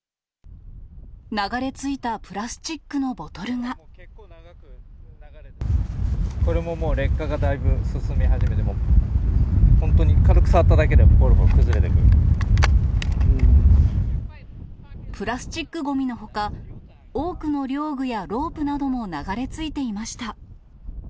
流れ着いたプラスチックのボこれももう、劣化がだいぶ進み始めて、本当に軽く触っただけで、プラスチックごみのほか、多くの漁具やロープなども流れ着いていました。